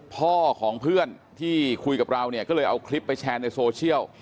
พ่อของเพื่อนที่คุยกับเราเนี่ยก็เลยเอาคลิปไปแชร์ในโซเชียล